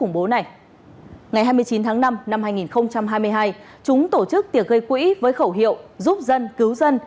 ngày hai mươi chín tháng năm năm hai nghìn hai mươi hai chúng tổ chức tiệc gây quỹ với khẩu hiệu giúp dân cứu dân